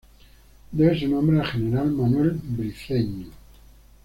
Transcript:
Debe su nombre al General Manuel Briceño.